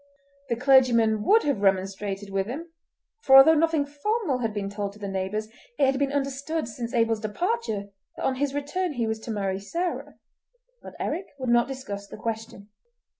The clergyman would have remonstrated with him, for although nothing formal had been told to the neighbours, it had been understood since Abel's departure that on his return he was to marry Sarah; but Eric would not discuss the question.